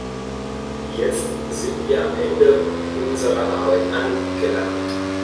Jetzt sind wir am Ende unserer Arbeit angelangt.